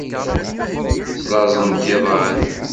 Slaẓent iḍan.